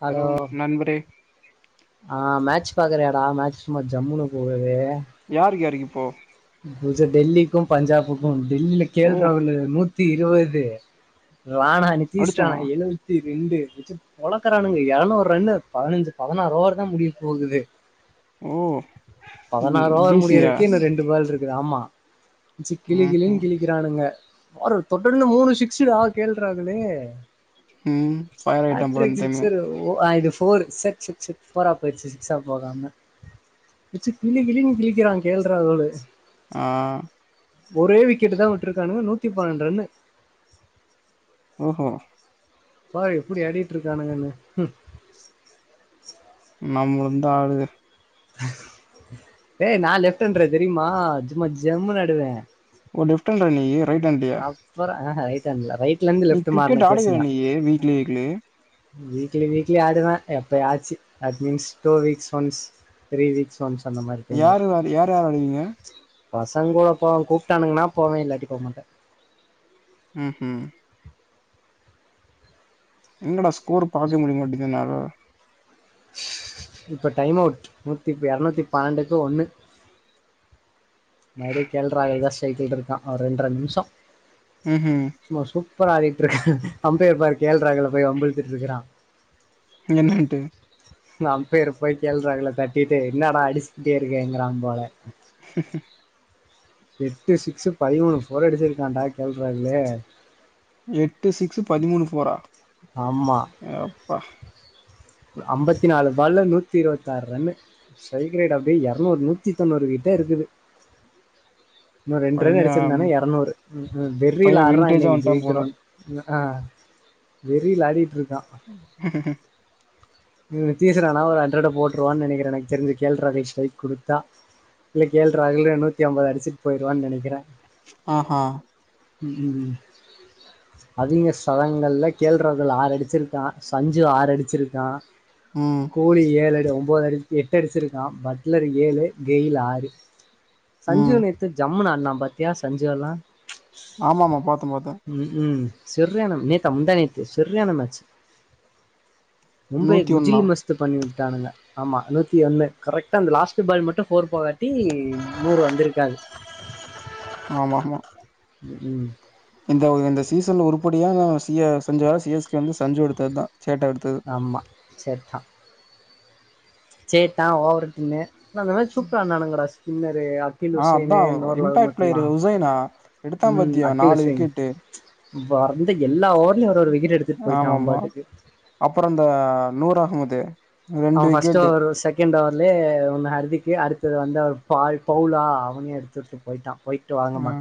Hello ஹ் match பாக்குறியாடா match சும்மா ஜம்முனுக்கு போவுது யார்யரித் போ பூஜை டெல்லிக்கும் பஞ்சாபுக்கும் டெல்லில ஓ கேள்ரா ஒன்னு [unintelligible] [unintelligible] இருபது ரானா அடிச்சனா நீத்தீஸ்றானா எழுவத்தி ரெண்டு வச்சு பொழக்கறானுங்க எரநூறு ரன்னு பதினஞ்சு பதினாறு ஓவர் தா முடிய போகுது ஓ பதனார் ஓவர் பிசியா முடியருக்கே இன்னு ரெண்டு பால் இருக்குது ஆமா ச்சு கிளி ம் கிளின் கிளிக்குறானுங்க பாரு தொடந்து மூணு சிக்ஸுடா கேள் ராகுல்லு ம் ஃபயர் ஆய்ட்டா போல இந்த டைமு ஃபோரு சட்சட்சட் ஃபோரா போயிருச்சு சிக்ஸா போகாம வெச்சு கிளி கிளின் கிளிக்குறா கே எல் ராகுலு ஆ ஒரே விக்கெட்டு தா விட்டிருக்கானுங்க நூத்தி பன்னெண்டு ரன்னு ஓஹோ பாரு எப்புடி ஆடிட்ருக்கானுங்கனு ம் நம்மலுந்த ஆடுது ஏ நா லெப்ட்ஹண்ற தெரியுமா சும்மா ஜம்முனு ஆடுவே ஓ லெஃப்ட்ஹேண்ரா நீய் போய்ட்டுவன்டியா ஆஹா ரைட்ஹேண்ல ரைட் இருந்து நீ லெஃப்ட் மாறுன கிர்க்கெட் கேசு ஆடுவேல நா நீயு வீக்லி வீக்லி வீக்லி வீக்லி ஆடுவே எப்பயாச்சு that means two weeks once three weeks once அந்த மாரி யாருராது யார்ரா விளாடுவீங்க பசங் கூட போவே கூப்ட்டானுங்கன்னா போவே இல்லாட்டி போ மாட்டே ம்ஹும் எங்கடா ஸ்கோரு பாக்கவே முடியமாட்டிக்து என்னால இப்ப டைம் அவுட் நூத்தி இப்ப எரநூத்தி பன்னெண்டுக்கு ஒண்ணு நரி கே எல் ராகுல் ஸ்ரைகுள்ருக்கா ஒரு ரெண்ட்ர நிமஷோ ம்ஹும் பரா ஆடிட்ருக்காங்க அம்பயர் பாரு கே எல் ராகுல்ல போய் வம்புழுத்துட்ருக்கறா என்னன்ட்டு நா அம்பயர போய் கே எல் ராகுல்ல தட்டிட்டு என்னடா அடிச்சுட்டே இருக்கேங்கறா போல எட்டு சிக்ஸு பதிமூணு போரு அடிச்சுருக்கான்டா கே எல் ராகுல்லு எட்டு சிக்ஸு பதிமூணு போரா ஆமா பா அம்பத்தி நாலு பால்ல நூத்தி இருவத்தாறு ரன்னு ஸ்ட்ரைக் ரேட் அப்டியே எரநூறு நூத்தி தொண்ணூறு கிட்ட இருக்குது இன்னு ரெண்டு ரன்னு பைய அடிச்சிருந்தானா எரநூறு ம் ம் பைய வெரில ஆடுறா வின்டேஜா இன்னைக்கு வந்ட்டா போல ஜெய்க்கறோன்னு ஆ வெறீல ஆடிட்ருக் ம் நிதிஷ் ராணா ஒரு ஹண்ரட போட்டுருவான் நெனைக்குறே எனக் தெரிஞ்சு கே எல் ராகுல் ஸ்ட்ரைக் குடுத்தா இல்ல கே எல் ராகுலே நூத்தி அம்பது அடிச்சுட் போய்ருவான் நெனைக்குறே ஆ ஆ ம் ம் ம் அதிக சதங்கள்ல கே எல் ராகுல் ஆறு அடிச்சுருக்கா சஞ்சு ஆறு அடிச்சுருக்கா ம் கூலி ஏழு ஒம்போது அடி எட்டு அடிசுருக்கா பட்லர் ஏழு கெயில் ஆறு ம் சஞ்சிவ் நேத்து ஜம்முனா நா பத்யா சஞ்சு வலாம் ஆமா மா பாத்தே பாத்தே சர்யான நேத்தா முந்தாநேத்து சர்ரியான மேச்சு மும்பை நூத்தி ஒன்னா குஜிலி மஸ்த் பண்ணு ட்டானுக ஆமா நூத்தி ஒண்ணு கரெக்டா அந்த லாஸ்ட் பால் மட்டும் ப்போர் போகாட்டி நூறு வந்திருக்காது ஆமாம்மா ம் இந்த ஒ இந்த சீசன் ஒரு பொடியா சிஅ செஞ்சா சிஎஸ்கே வந்து சஞ்சு எடுத்ததா ஆமா செத்தான் சேட்டான் ஓவருடின்னு ந அந்த மாரி சூப்பரா இருந்தானுங்கடா ஸ்கின்னரு அகில் ஆ அதா உசேனு நூர் இம்பாக்ட் ரஹ்மத் பிளேயர் லாம் உசைனா எடுத்தா உம் பாத்தியா அகில் நாலு உசேன் விக்கெட்டு வந்து எல்லாவோட் ஆமாமா அப்புற அந்த நூர் அஹமத் து அவ ஃபஸ்ட் ஒவர் செகெண்ட லே ஒண்ணு அருதிக்கு அடுத்தது வந்து அவ பால் பவுலா அவனே எடுத்துவச்சுட்டு போய்ட்டா ஆ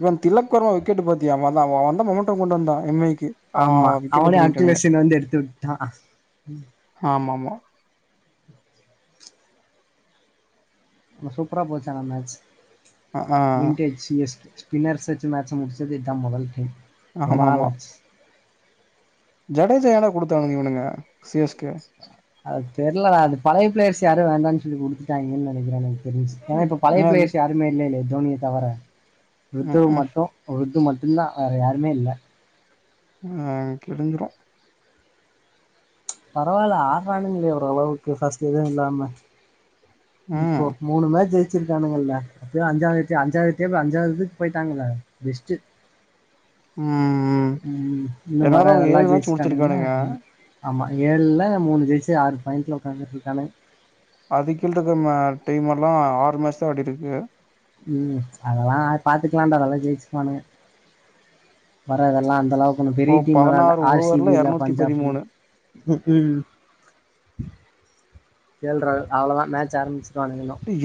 இவன் திலக் வர்மா விக்கெட் பாத்தியா [unintelligible] த மொமன்ட்டோ கொண்டு வந்தா எம் ஐ க்கு அவ ஆமா விக்கெட்ட அவனே புடிங்கிட்டானுங்க அக்கிலேசன் வந்து எடுத்து விட்டா ஆமா ஆமா சூப்பரா போச்சான மேட்ச் ஆ வின்டேஜ் எஸ் ஸ்பின்னர்ஸ் வச்சி மேட்ச் முடிச்சது இதா மொதல் கேம் ஆமா ஆமா ரொம்பனாலாட்ச் ஜடேஜா யான்டா குடுத்தானுங்க இவனுங்க சி எஸ் கே அது தெர்லடா அது பழைய பிளேயர்ஸ் யாரு வேண்டாம்ன் சொல்லி குடுத்துட்டாய்ங்கனு நெனைக்கிறே ஏனா இப்ப பழைய ஏ பிளேயர்ஸ் யாருமே இல்லைலே தோனிய தவற ருத்துவ் ம் மட்டு ருது மட் இல்லா வேற யாருமே இல்ல ஆஹ் கிழிஞ்சிறும் ச் பரவால்ல ஆடுறானுங்களே ஓரளவுக்கு ஃபர்ஸ்ட் எதுவும் இல்லாம இப்போ ம் மூணு மேச் ச்சிருக்கானனுங்கல்ல அப்ப அஞ்சாவ அஞ்சாவதுத்த அஞ்சாவதுக்கு போயிட்டாங்கல பெஸ்டு உம் உம் இன்னும் வர என்னாலும் அவுங்க ஏழு எல்லாம் மேச்சு ஜெயிச்சுட்டானுங்கன்னா, முடுச்சிருக்கானுங்க ஆமா ஏழுல மூணு ஜெயிச்சு ஆறு பாயிண்டல உட்காந்துட்ருக்கானுக அது கீழ் இருக்க ஆஹ் டைம் எல்லாம் ஆறு மேச் தான் ஆடிருக்கு உம் அதெல்லாம் பாத்துக்கலாம்டா அதெல்லாம் ஜெச்சிருவானுங்க வர இதெல்லாம் அந்த அளவுக்கு மூணு ஓ பெரிய டீம் லாம் இல்ல பதினாறு ஆர் சி பி ஓவர்ல இல்ல எரநூத்தி பஞ்சாப்பு பதிமூணு உ உம் கேள்றா அவ்ளோதான் மேட்ச் ஆரம்பிச்சு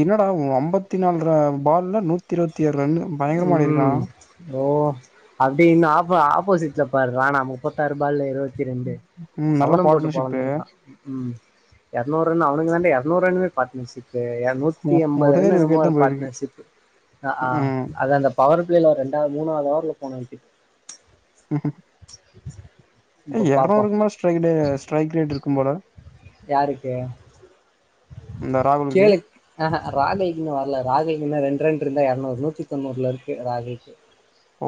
என்னடா உ அம் முப்பத்தி நால்ர பால்ல நூத்தி இருவத் த்தி ஆறு ரன்னு பயங்கரமா ஆடிருக்கா அப்டி இன்னு ஆப்ப ஆப்போசிட்ல பார்றா நா முப்பத்தாறு பால்ல இருவத் ரெண்டு ம் நல்ல சவணம் போட்டு பார்ட்னர்ஷிப்பு பொலந்திருக்கா ம் எரநூறுன் அவனுக்கு வந்து எரநூறு ரன்னுமே பார்ட்னர்ஷிப் தே எ நூத்தி எம்பது ஒரே ரன் என்னமோ விக்கெட் தா ஒரு போயிருக்கு பார்ட்னர்ஷிப்பு அ ஆ ம் அது அந்த பவர் பிளேல ஒரு ரெண்டா மூணாவது அவர்ல போன [unintelligible] [inaudible] [unintelligible] பார்ப்போம் எரநூறுக்குமா ஸ்டைடு ஸ்ட்ரைக் ரேட் இருக்கும் போல யாருக்கு இந்த ராகுலுக்கு கேளு ஆஹ ராகுல்க்கு இன்னு வரல ராகுல்க்கு இன்னு ரெண்டு ரன் ருந்தா எரநூறு நூத்தி தொண்ணூறுல இருக்கு ராகேஷு ஓ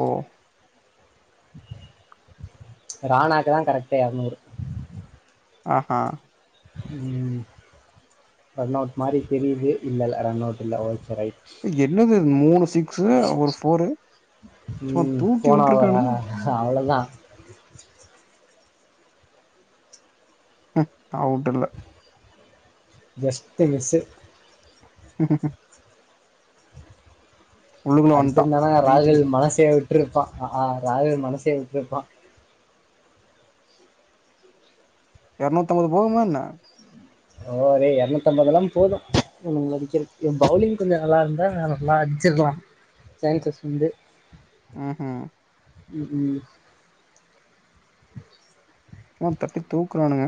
ராணாக்குதா கரெக்ட்டு எரநூறு ஆஹா உம் ரன் அவுட் மாரி தெரியுது இல்லல ரன் அவுட் இல்ல ஓக் ரைட் என்னது மூணு சிக்ஸு ஒரு போரு சும்மா ம் தூக்கி போன ஓவரா விட்ருக்கானுங்க அவ்வளவுதான் ம் அவுட்டு இல்ல ஜஸ்ட் மிஸ்ஸு [inaudible] உள்ளுக்குள்ள வந்ட்டா அடிச்சுருந்தானா ரீச்டு ராகுல் மனசே விட் விட்ருப்பான் ஆ ராகுல் மனசே விட்ருப்பான் எரநூத்தம்பது போகுமா என்ன ஓரே எரநூத்தம்பது எல்லா போதும் அடிக்கிறக்கு பவுலிங் கொஞ்சோ நல்லா இருந்தா நல்லா அடிச்சிருக்லா சான்சஸ் வந்து ஹ்ம் ம் ம் சும்மா தட்டி தூக்குறானுங்க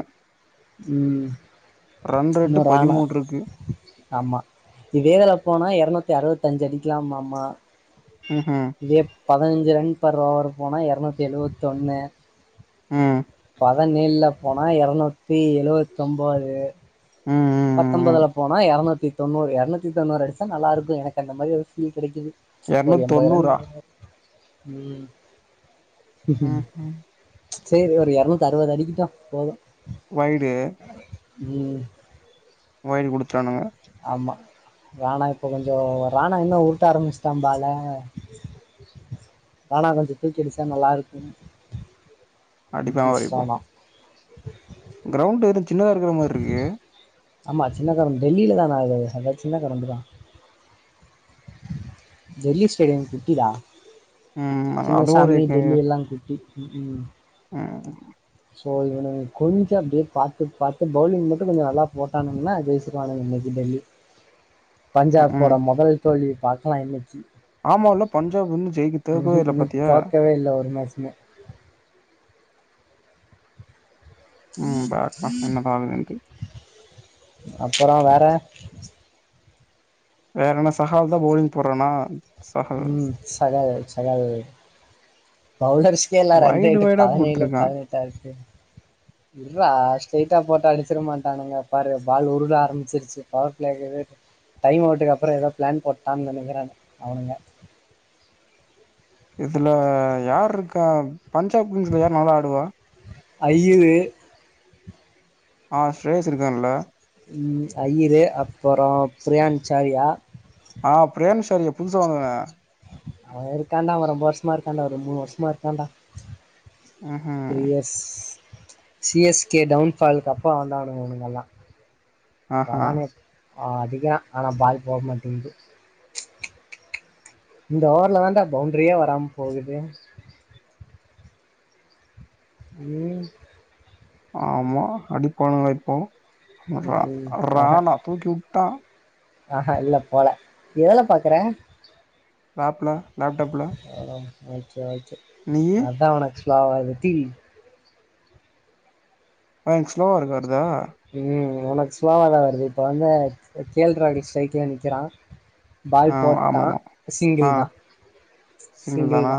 ம் ரன் ரேட்டு பதிமூன்றுக்கு ஆமா இதே வேல போனா எரநூத்தி அறுபத்தஞ்சு அடிக்கலாம்மாமா உம் உம் பதினஞ்சு ரன் பர் ஓவர் போனா எரநூத்தி எழுவத்தொன்னு ம் அதா நீள்ல போனா எரநூத்தி எழுவத்தொம்பது ம் ம் ம் பத்தொன்பதுல போனா எரநூத் தி தொண்ணூறு எர்நூத்தி தொண்ணூறு அடிச்சா நல்லாருக்கு எனக்கு அந்தமாரி ஃபீல் கெடைக்குது எரநூத் தொண்ணூறா ம் ஹூம் ஹும். சேரி ஒரு எரநூத்தறுவது அடிக்கிட்டு போது ஒயிடு நோவைல் குடுத்தானுக. ஆமா ராணா இப்ப கொஞ்சோ ராணா இன்னு உருட்ட ஆரம்பிச்சிட்டா பால ராணா கொஞ்சோ தூக்கி அடிச்சா நல்லா இருக்கும் நித்திஷ் ராணா. க்ரௌண்ட் எது சின்னதா இருக்கற மார்ருக்கு. ஆமா சின்ன கரண் டெல்லில தா [unintelligible] அதா சின்ன கரண்டுதா டெல்லி ஸ்டேடியம் குட்டிடா. ம் அது ஒரு ம் ம்ஹூ ஷோ இவனுங்க கொஞ்சோ அப்டியே பாத்து பாத்து ஃபௌவுலிங் மட்டு கொஞ்சோ நல்லா போட்டானுங்கன்னா ஜெயிச்சிருவானுங்க இன்னக்கி டெல்லி. ம் ம் பஞ்சாப்போட மொதல் தோல்விய பாக்கலா இன்னக்கி ஆமால்ல பஞ்சாப் இன்னு ஜெயிக் தோக்கவே இல்ல பாத்தியா. மோ ம் பாக்லா என்னதா ஆகுதுண்ட்டு. அப்பறோ வேற வேற என்ன சஹால் தா ஃபௌவுலிங் போட்றானா சஹல் ம் சகாயொ சகாயொ பவுடர் ஸ்கேலா வைடு ரெண்டேட்டு வைடா பதினேழு போட்ருக்கா பதினெட்டா இருக்கு இர்ரா ஸ்ரெய்டா போட்டா அடிச்சிட மாட்டானுங்க பாரு பால் உருள ஆரம்பிச்சிருச்சு பவர் பிளேக்கு டைம் அவுட்டுக்கு அப்புறொ ஏதோ பிளான் போட்டான்னு நினைக்கிறே அவனுங்க இதுல யார் இருக்கா பஞ்சாப் டீம்ல யார் நல்லா ஆடுவா ஐய்யுரு ஆஹ் சுரேஸ் இருக்கான்ல ம் ஐயிரு அப்புறொ பிரயான்ச்சாரியா ஆஹ் பிரியன்ச்சாரியா புதுசா வந்தவ அவ இருக்காண்டா ரொம்ப வருஷமா இருக்காண்டா ஒரு மூணு வருஷமா இருக்காண்டா ம்ஹம் சிஎஸ்கே டவுன்ஃபாலுக்கு அப்பொ வந்தவனுகெல்லாம் ஆஹா வாவனேஷ் ஆ அடிக்குறான் ஆனா பால் போ மாட்டீங்குது இந்த ஓவர்லதான்டா பவுண்டரியே வராம போகுது ம் ஆமா அடி பானுங்ளா இப்போ ம், ர ம். ராணா தூக்கிவுட்டா ஆஹ இல்ல போல எதல பாக்கற லேப்ல லேப்டாப்ல ஓக்கே ஓக் நீயி அதா உனக் ஸ் பார்வதி ப்ப என்க் ஸ்லோவர்க் வர்தா உம் உனக்கு ஸ்லோவாதா வருது இப்ப வந்து க கே எல் ராகுலு ஸ்ட்ரைக்ல நிக்கிறா பால் ஆ போட்டா ஆமாமா ஆ சிங்கிள் தா சி சிங்கிள் தா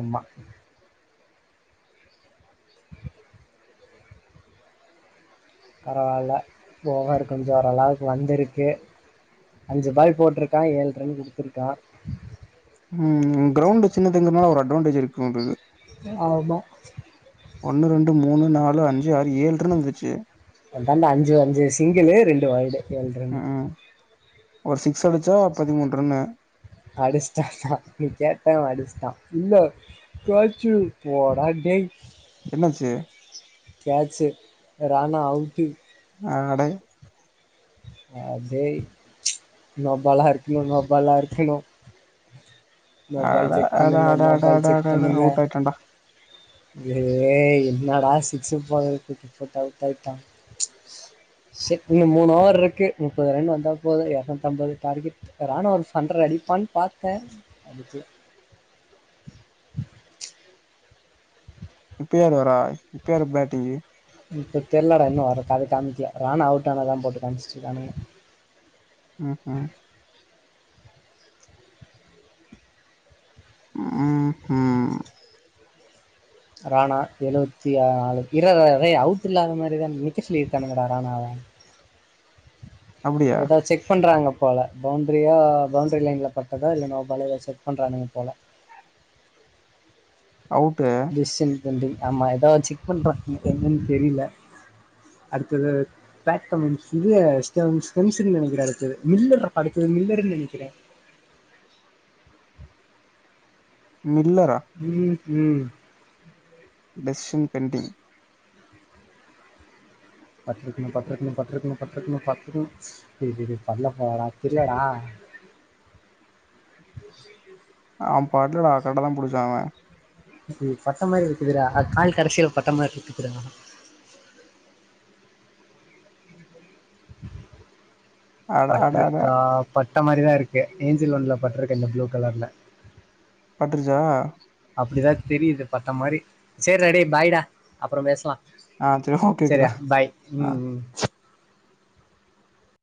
ஆமா பரவால்ல யோகார் கொஞ்ச ஒரளவுக்கு வந்திருக்கு அஞ்சு பால் போட்ருக்கா ஏழ் ரன் குடுத்துருக்கா ம் ம் கிரௌண்டு சின்னதுங்றனால ஒரு அட்வான்டேஜ் இருக் [unintelligible] எ ஆமா ஒன்னு ரெண்டு மூணு நாலு அஞ்சு ஆறு ஏழ் ரன்னு வந்துருச்சு அதான்டா அஞ்சு அஞ்சு சிங்கிளு ரெண்டு வய்டு ஏழ் ரன்னு ம் ஒரு சிக் அடிச்டாண்டா நீ கேட்ட அவ அடிச்ட்டா இல்ல கேச்சு போடா டேய் என்னாச்சு கேச்சு ராணா அவு கி அட அ டேய் ச் நோபாலா இருக்கணு நோபாலா இருக்கணு மொபைல் அட செக் அட பண்ணுங்க அட அட மொபைல் அட அட செக் அட பண்ணிங்க அவுட் ஆயிட்டான்டா ஏய் என்னடா சிக்ஸ் ஃபோராவ தூக்கி போட்டு அவுட் ஆயிட்டா. ப்ச் இசெக் இன்னு மூணு ஓவர் ட்ரக்கு முப்பது ரன் வந்தால் போது எர்நூத்தம்பது டார்கெட் ராணா ஒரு ஹண்ரட் அடிப்பான் பாத்தே அடிக்கில இப்ப யாரு வரா இப்ப யாரு பேட்டிங்கி இப்ப தெர்லடா இன்னு வர அத காமிக்கல ராணா அவுட்டானததா போட்டு காமிச்சிட்ருக்கானுங்க உம் ஹூ உம் ஹூ ராணா எழுவத்தி ஆ நாலு இர்ரா இரா ரே அவுட் இல்லாத மாரிதா நிக்க சொல்லி இருக்கானுங்கடா ராணாவ அப்டியா ஏதோ செக் பண்றாங்கப் போல பவுண்ட்ரியா பவுண்ட்ரி லைன்ல பட்டதா இல்ல நோ பாலா எதா செக் பண்றானுங்க போல. அவுட்டு தம்பி ஆமா ஏதோ செக் பண்றாங்க என்னன்னு தெரில அடுத்தது பேக் பன் இது [unintelligible] மில்லர் அடுத்தது மில்லருன்னு நினைக்கிறே மில்லரா உம் டெஸ்ஷன் பென்டிங் பட்ருக்ணு பட்ருக்ணு பட்ருக்ணு பட்ருக்ணு பட்ருக்ணு ஏஏ பட்ல பா தெர்லடா அவ பாட்டல‌ ஆக்கட்ட தா புடிச்சாங்க இப்ப பட்ட மாரி இருக்குதுடா கால் கடைசில பட்ட மாரி இருக்குதுடா அட அட அட பட்ருக்கா ப பட்ட மாரிதா இருக்கு ஏஞ்சில் ஒன்ல பட்ருக்கு இந்த ப்ளூ கலர்ல பட்ருச்சா அப்டிதா தெரியுது பட்ட மாரி சேரிடா டேய் பாய்டா அப்றோ பேஸ்லா ஆ சரி ஓகே ஓகேடா சரிடா பாய் ஆ ம் ம்